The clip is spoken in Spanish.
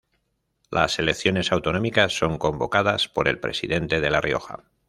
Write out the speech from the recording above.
Las elecciones autonómicas son convocadas por el presidente de La Rioja.